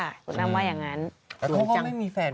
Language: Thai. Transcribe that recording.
คุณอ้ำว่าอย่างนั้น